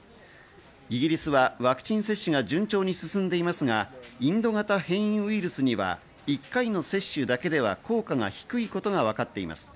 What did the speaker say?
イギリスはワクチン接種が順調に進んでいますが、インド型変異ウイルスには１回の接種だけでは効果が低いことがわかっています。